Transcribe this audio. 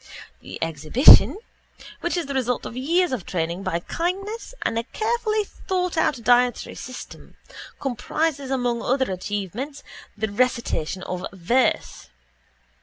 The exhibition, which is the result of years of training by kindness and a carefully thoughtout dietary system, comprises, among other achievements, the recitation of verse.